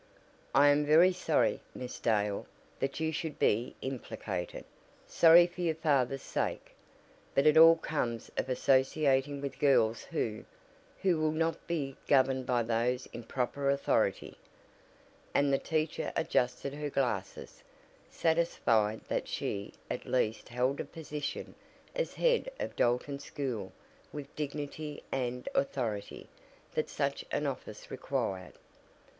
I am very sorry, Miss Dale, that you should be implicated, sorry for your father's sake. But it all comes of associating with girls who who will not be governed by those in proper authority," and the teacher adjusted her glasses, satisfied that she at least held a position as head of Dalton School with dignity and "authority" that such an office required.